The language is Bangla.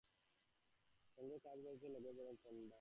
অল্প কয়েক দিনের ছেলেকে বুকের সঙ্গে বেঁধে কাজে লেগে পড়েন কেন্ড্রা।